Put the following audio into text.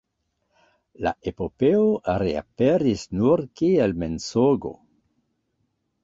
La epopeo reaperis nur kiel mensogo.